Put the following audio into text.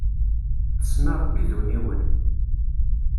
Tessen arebbi d uniwel.